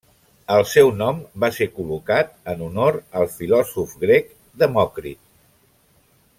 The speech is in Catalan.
El seu nom va ser col·locat en honor al filòsof grec Demòcrit.